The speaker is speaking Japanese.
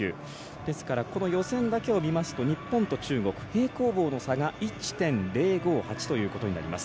ですから予選だけを見ますと日本と中国平行棒の差が１．０５８となります。